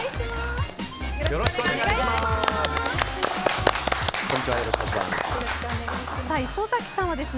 よろしくお願いします。